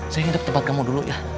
saya hidup di tempat kamu dulu ya